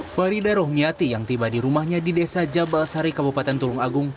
farida rohmiati yang tiba di rumahnya di desa jabal sari kabupaten tulung agung